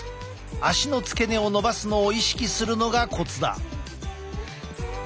足の付け根を伸ばすのを意識するのがコツだ。